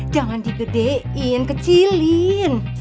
jangan digedein kecilin